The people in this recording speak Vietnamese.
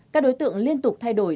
các đối tượng liên tục thay đổi